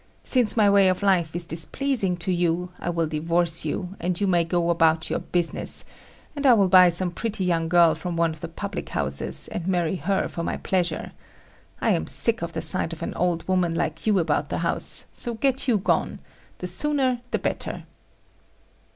Since my way of life is displeasing to you, I will divorce you, and you may go about your business; and I will buy some pretty young girl from one of the public houses, and marry her for my pleasure. I am sick of the sight of an old woman like you about the house, so get you gone the sooner the better."